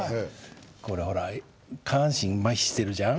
俺ほら下半身麻痺してるじゃん。